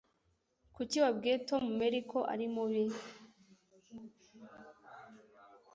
Kuki wabwiye Tom Mary ko ari mubi